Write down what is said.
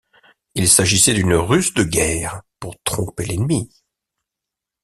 Il s'agissait d'une ruse de guerre pour tromper l'ennemi.